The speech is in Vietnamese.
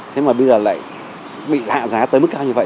thế mà bây giờ lại bị hạ giá tới mức cao như vậy